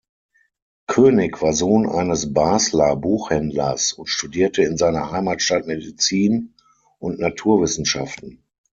König war Sohn eines Basler Buchhändlers und studierte in seiner Heimatstadt Medizin und Naturwissenschaften.